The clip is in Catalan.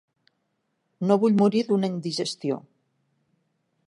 No vull morir d'una indigestió.